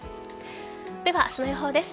では、明日の予報です。